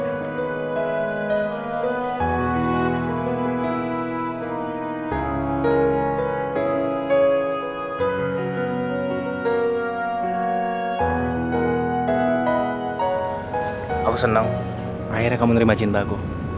kau seneng akhirnya kamu nerima cintaku